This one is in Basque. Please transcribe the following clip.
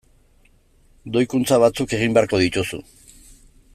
Doikuntza batzuk egin beharko dituzu.